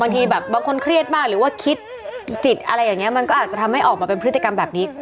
บางทีแบบบางคนเครียดมากหรือว่าคิดจิตอะไรอย่างนี้มันก็อาจจะทำให้ออกมาเป็นพฤติกรรมแบบนี้